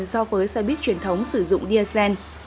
so với xe buýt truyền thống sử dụng diesel